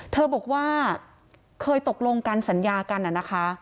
เธอบอกว่าเคยตกลงกันสัญญากันนะคะ